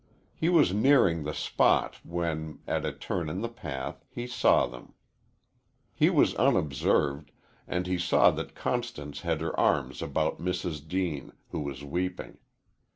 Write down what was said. He was nearing the spot when, at a turn in the path, he saw them. He was unobserved, and he saw that Constance had her arms about Mrs. Deane, who was weeping.